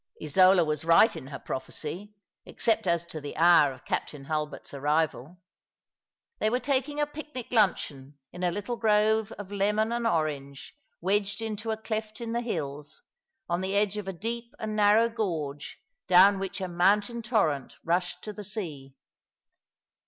'* Isola was right in her prophecy, except as to the hour of Captain Hulbert's arrival. They were taking a picnio " Tho2i Paradise of Exiles ^ Italy''' 233 luncheon in a little grove of lemon and orange, wedged into a cleft in the hills, on the edge of a deep and narrow gorge down which a mountain torrent rushed to the sea.